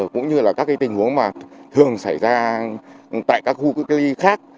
cũng như là các tình huống mà thường xảy ra tại các khu cách ly khác